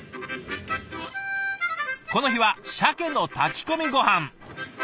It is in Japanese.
この日はシャケの炊き込みごはん。